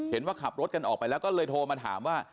เห็นว่าขับรถกันออกไปแล้วก็เลยโทรมาถามว่า